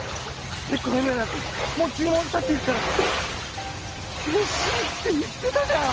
結婚指輪だってもう注文したって言ったら嬉しいって言ってたじゃん！